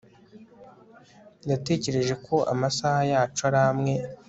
Yatekereje ko amasaha yacu ari amwe